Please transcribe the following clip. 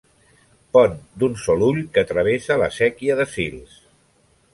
Pont d'un sol ull que travessa la séquia de Sils.